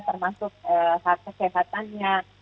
termasuk hak kesehatannya